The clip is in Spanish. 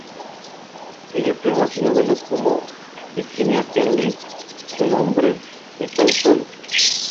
Ella firma sus novelas como Virginia Henley, su nombre de casada.